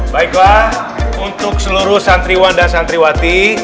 baiklah untuk seluruh santriwan dan santri watih